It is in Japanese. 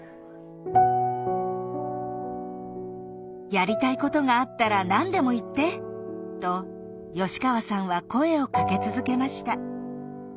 「やりたいことがあったら何でも言って」と吉川さんは声をかけ続けました。